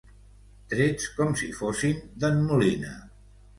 Trets com si fossin d'en Molina.